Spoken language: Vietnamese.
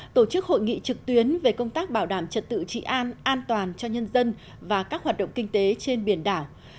tổ chức hội nghị trực tuyến về công tác bảo đảm trật tự trị an an toàn cho nhân dân và các hoạt động kinh tế trên biển đảo